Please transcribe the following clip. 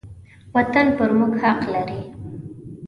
وطن پر موږ حق لري.